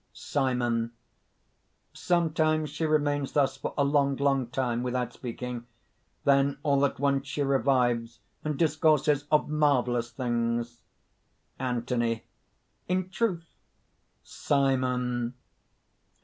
_) SIMON. "Sometimes she remains thus for a long, long time without speaking; then all at once she revives, and discourses of marvellous things." ANTHONY. "In truth?" SIMON.